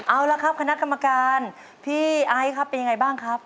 เอาละครับคณะกรรมการพี่ไอซ์ครับเป็นยังไงบ้างครับ